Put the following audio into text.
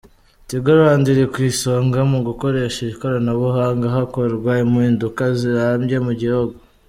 Tigo Rwanda iri ku isonga mu gukoresha ikoranabuhanga hakorwa impinduka zirambye mu gihugu.